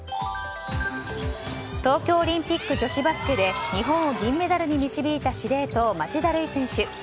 東京オリンピック女子バスケで日本を銀メダルに導いた司令塔町田瑠唯選手。